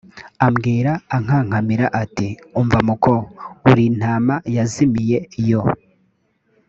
ambwira ankankamira ati “umva muko uri intama yazimiye yo”